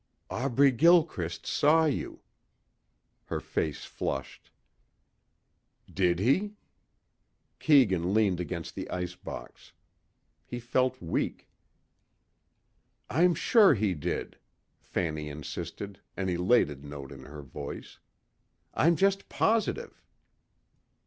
"Aubrey Gilchrist saw you." Her face flushed. "Did he?" Keegan leaned against the icebox. He felt weak. "I'm sure he did," Fanny insisted, an elated note in her voice, "I'm just positive."